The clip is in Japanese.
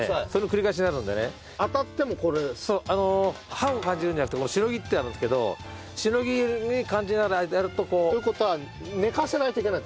刃を感じるんじゃなくてしのぎってあるんですけどしのぎに感じながらやるとこう。という事は寝かせないといけない。